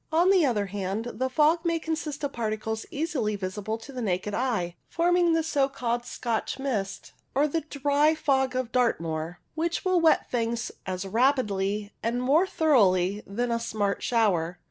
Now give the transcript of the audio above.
On the other hand, the fog may Q D o o < IT I 03 STRATUS 73 consist of particles easily visible to the naked eye, forming the so called Scotch mist, or the "dry" fog of Dartmoor, which will wet things as rapidly and more thoroughly than a smart shower.